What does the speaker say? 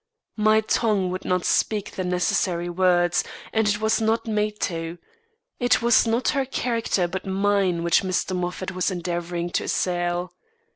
My tongue would not speak the necessary words, and it was not made to. It was not her character but mine which Mr. Moffat was endeavouring to assail.